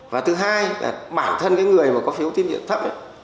và thứ hai là bản thân cái người mà có phiếu tiết nhiệm thấp